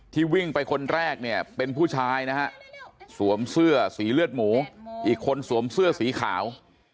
วิ่งไปคนแรกเนี่ยเป็นผู้ชายนะฮะสวมเสื้อสีเลือดหมูอีกคนสวมเสื้อสีขาว